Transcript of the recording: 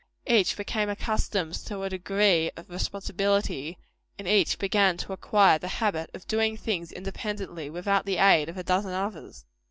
Each became accustomed to a degree of responsibility; and each began to acquire the habit of doing things independently, without the aid of a dozen others.